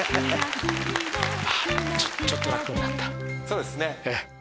そうですね。